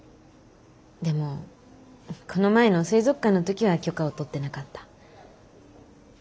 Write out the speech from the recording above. でもこの前の水族館の時は許可を取ってなかった。